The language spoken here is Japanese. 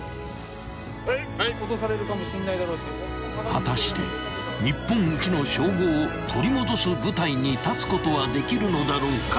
［果たして日本一の称号を取り戻す舞台に立つことはできるのだろうか］